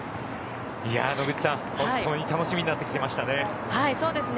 野口さん本当に楽しみになってきましたね。